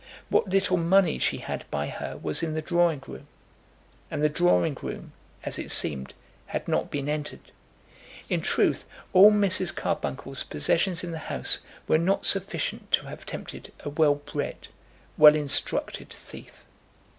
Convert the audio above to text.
What little money she had by her was in the drawing room, and the drawing room, as it seemed, had not been entered. In truth, all Mrs. Carbuncle's possessions in the house were not sufficient to have tempted a well bred, well instructed thief.